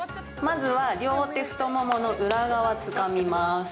まずは両手、太ももの裏側をつかみます。